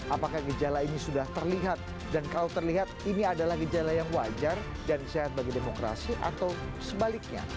apakah gejala ini sudah terlihat dan kalau terlihat ini adalah gejala yang wajar dan sehat bagi demokrasi atau sebaliknya